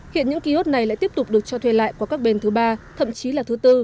hiện những ký ốt này lại tiếp tục được cho thuê lại qua các bên thứ ba thậm chí là thứ bốn